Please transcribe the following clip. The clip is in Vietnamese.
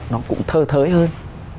nó cũng thơ thới hơn